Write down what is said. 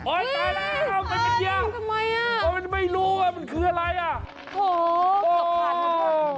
โอ๊ยตายแล้วมันเป็นเยี่ยมมันไม่รู้ว่ามันคืออะไรโอ้โฮโอ้โฮ